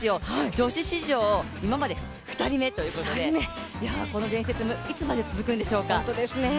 女子史上、今まで２人目ということでこの伝説いつまで続くんでしょうか。